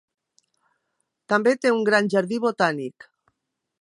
També té un gran jardí botànic.